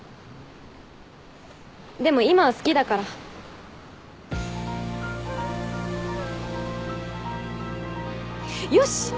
でも今は好きだから。よし！